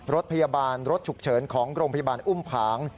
รถพยาบาลรถฉุกเฉินของโรงพยาบาลอุ้มผาง